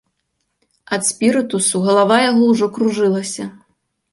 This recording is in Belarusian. Ад спірытусу галава яго ўжо кружылася.